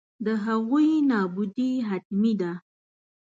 د هغوی نابودي حتمي ده.